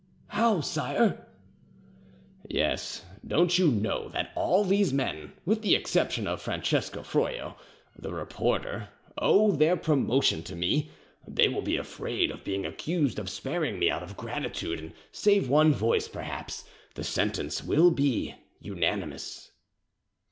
"How, sire?" "Yes. Don't you know that all these men, with the exception of Francesco Froio, the reporter; owe their promotion to me? They will be afraid of being accused of sparing me out of gratitude, and save one voice, perhaps, the sentence will be unanimous."